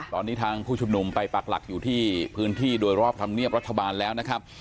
ตอนนี้ทางผู้ชุมนุมไปปักหลักอยู่ที่พื้นที่โดยรอบธรรมเนียบรัฐบาลแล้วนะครับ